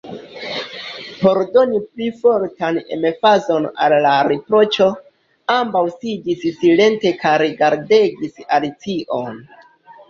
Por doni pli fortan emfazon al la riproĉo, ambaŭ sidis silente kaj rigardegis Alicion.